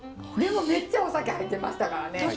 でもめっちゃお酒入ってましたからね。